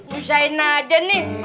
susahin aja nih